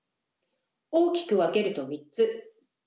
大きく分けると３つ。